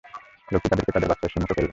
লোকটি তাদেরকে তাদের বাদশাহর সম্মুখে ফেলল।